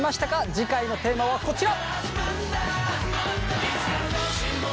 次回のテーマはこちら！